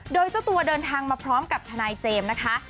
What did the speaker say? โดยเจ้าตัวเดินทางมาพร้อมกับทนายเจมส์นะคะ